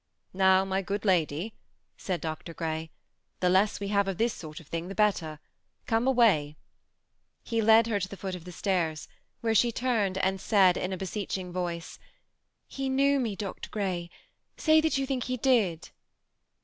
Sow, my good lady," said Dr. Grey, " the less we of this sort of thing the better. Come away." led her to the foot of the stairs, where she turned THE SEMI ATTACHED COUPLE. 311 and said, in a beseeching voice, *^ He knew me, Dr. Grey ; say that you think he did."